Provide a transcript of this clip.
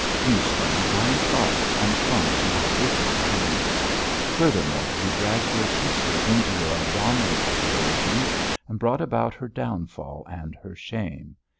You spurned my advice and clung to your wicked opinions; furthermore, you dragged your sister into your abominable delusions and brought about her downfall and her shame.